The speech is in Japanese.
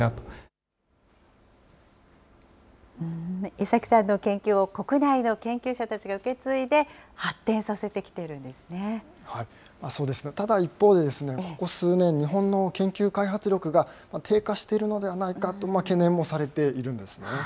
江崎さんの研究を国内の研究者たちが受け継いで、そうですね、ただ一方で、ここ数年、日本の研究開発力が低下しているのではないかと懸念もされているんですね。